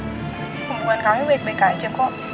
hubungan kami baik baik saja